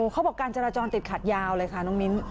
เขาบอกการจราจรติดขัดยาวเลยค่ะน้องมิ้น